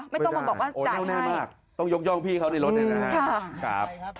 ไม่ต้องบอกว่าจ่ายให้ต้องยกย่องพี่เขาในรถเลยนะคะ